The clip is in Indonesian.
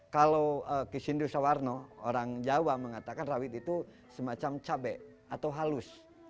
kalau kisindo sawarno orang jawa mengatakan rawit itu semacam cabai atau halus